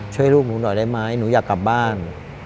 ช่วยลูกหนูหน่อยได้ไหมหนูอยากกลับบ้าน